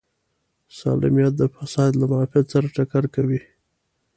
سالمیت د فساد له معافیت سره ټکر کوي.